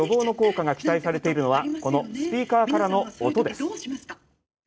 認知症予防の効果が期待されているのはこのスピーカーからの音です。